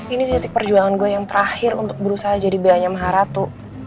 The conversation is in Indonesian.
ini titik perjuangan gue yang terakhir untuk berusaha jadi beanya maharatu